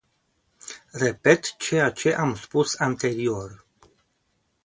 Repet ceea ce am spus anterior.